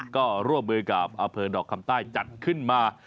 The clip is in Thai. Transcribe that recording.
ก็ร่วมมือกับอำเภอดอกคำใต้จัดขึ้นมา